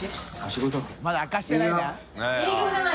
まだ明かしてないな？